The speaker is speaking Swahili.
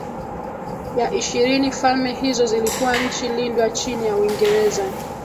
ya ishirini Falme hizo zilikuwa nchi lindwa chini ya Uingereza